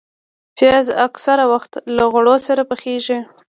پیاز اکثره وخت له غوړو سره پخېږي